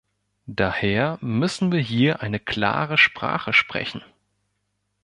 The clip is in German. Daher müssen wir hier eine klare Sprache sprechen.